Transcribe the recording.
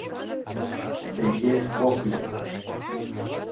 Тыге ок лек!